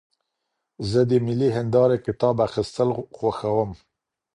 زه د ملي هندارې کتاب اخیستل خوښوم.